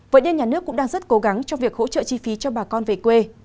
vậy nên nhà nước cũng đang rất cố gắng trong việc hỗ trợ chi phí cho bà con về quê